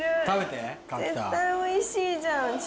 絶対おいしいじゃん。